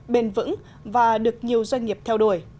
bền vững và được nhiều doanh nghiệp theo đuổi